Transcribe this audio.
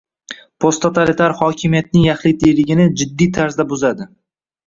posttotalitar hokimiyatning yaxlitligini jiddiy tarzda buzadi.